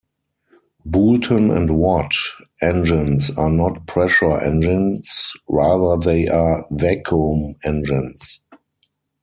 Boulton and Watt engines are not pressure engines, rather they are vacuum engines.